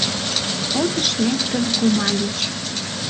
Отыш лектын кумальыч